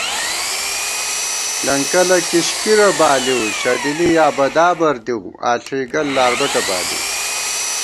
لنکَلہ کِشکِرہ بالِؤ شَڈِلی یا بدابر دِؤ آݪُوئیگل لاربَٹہ بالِؤ